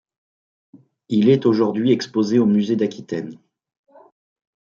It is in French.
Il est aujourd'hui exposé au musée d'Aquitaine.